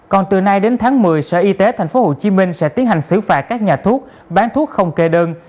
còn từ nay đến tháng một mươi sở y tế tp hcm sẽ tiến hành xử phạt các nhà thuốc bán thuốc không kê đơn